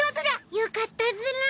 よかったズラ。